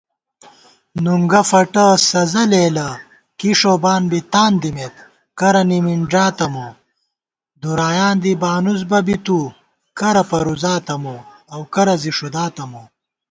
نُنگہ فَٹہ سزَہ لېلہ کِݭوبان بی تان دِمېت کرہ نِمِنݮاتہ مو * دُرایاں دی بانُوس بہ بی تُوکرہ پروزاتہ مو اؤ کرہ زی ݭُداتہ مو